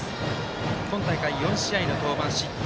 今大会４試合の登板、失点